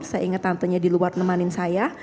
saya ingat tantenya di luar nemanin saya